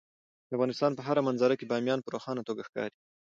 د افغانستان په هره منظره کې بامیان په روښانه توګه ښکاري.